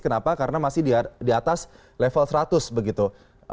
kenapa karena masih di atas level seratus begitu